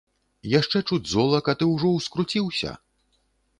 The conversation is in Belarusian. Яшчэ чуць золак, а ты ўжо ўскруціўся?